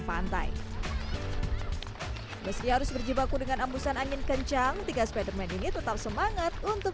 pantai meski harus berjibaku dengan embusan angin kencang tiga spiderman ini tetap semangat untuk